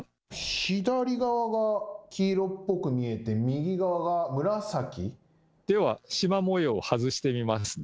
左側が黄色っぽく見えて右側が紫？ではしま模様を外してみますね。